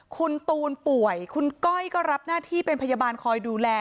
คุณตูนป่วยคุณก้อยก็รับหน้าที่เป็นพยาบาลคอยดูแล